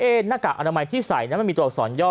เอ๊ะนักกากอนามัยที่ใส่มันมีตัวอักษรย่อ